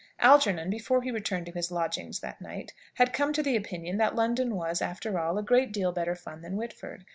Algernon, before he returned to his lodging that night, had come to the opinion that London was, after all, a great deal better fun than Whitford.